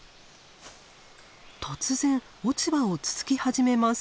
突然落ち葉をつつき始めます。